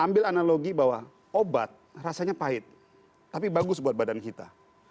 ambil analogi bahwa obat rasanya pahit tapi bagus buat badan kita